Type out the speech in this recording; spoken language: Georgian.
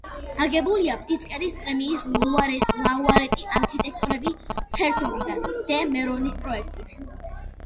აგებულია პრიცკერის პრემიის ლაურეატი არქიტექტორები ჰერცოგი და დე მერონის პროექტით.